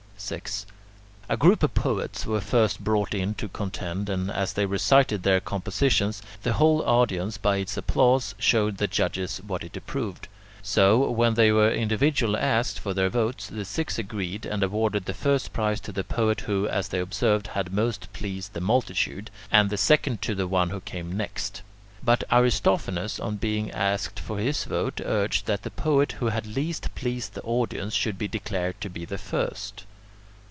6. A group of poets was first brought in to contend, and, as they recited their compositions, the whole audience by its applause showed the judges what it approved. So, when they were individually asked for their votes, the six agreed, and awarded the first prize to the poet who, as they observed, had most pleased the multitude, and the second to the one who came next. But Aristophanes, on being asked for his vote, urged that the poet who had least pleased the audience should be declared to be the first.